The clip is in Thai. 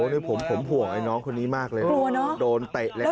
เฮ้ยผมห่วงไอน้องคนนี้มากเลย